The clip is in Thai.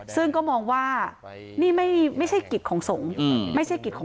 ซึ่งก็มองว่านี้ไม่ใช่กฤทธิ์ของสม